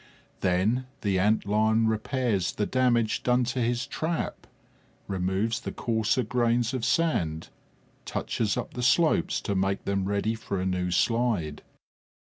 Then the Ant lion repairs the damage done to his trap, removes the coarser grains of sand, touches up the slopes to make them ready for a new slide.